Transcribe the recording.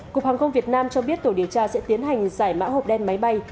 cục hàng không việt nam cho biết tổ điều tra sẽ tiến hành giải mã hộp đen máy bay